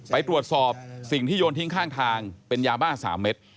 ไปตรวจสอบสิ่งที่โยนทิ้งข้างทางเป็นยาบ้า๓เม็ด